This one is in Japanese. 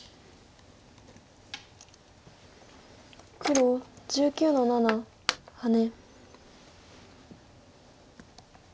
黒１９の七ハネ。